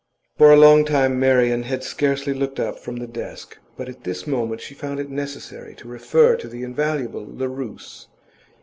For a long time Marian had scarcely looked up from the desk, but at this moment she found it necessary to refer to the invaluable Larousse.